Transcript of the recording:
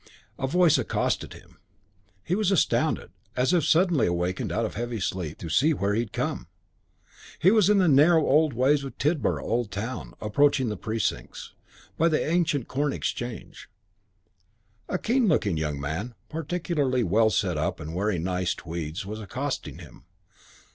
A voice accosted him. He was astounded, as if suddenly awakened out of heavy sleep, to see to where he had come. He was in the narrow old ways of Tidborough Old Town, approaching The Precincts, by the ancient Corn Exchange. A keen looking young man, particularly well set up and wearing nice tweeds, was accosting him.